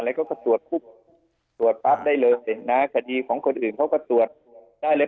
แล้วก็ตรวจคุกตรวจปรับได้เลยนะคดีของคนอื่นเขาก็ตรวจได้เลย